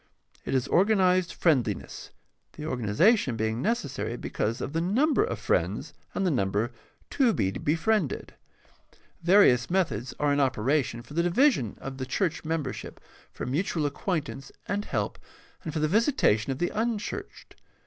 It is organized friend liness, the organization being necessary because of the number of friends and the number to be befriended. Various methods 6o6 GUIDE TO STUDY OF CHRISTIAN RELIGION are in operation for the division of the church membership for mutual acquaintance and help and for the visitation of the unchurched.